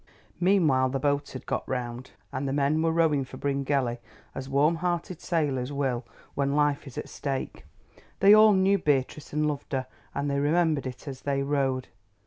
Meanwhile the boat had been got round, and the men were rowing for Bryngelly as warm hearted sailors will when life is at stake. They all knew Beatrice and loved her, and they remembered it as they rowed.